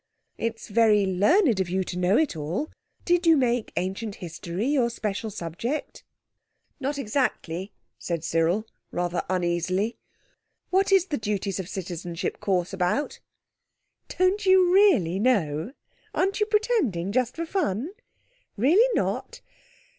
It's very learned of you to know it all. Did you make Ancient History your special subject?" "Not exactly," said Cyril, rather uneasily. "What is the Duties of Citizenship Course about?" "Don't you really know? Aren't you pretending—just for fun? Really not?